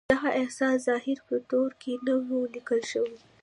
دغه احساس ظاهراً په تورو کې نه و ليکل شوی.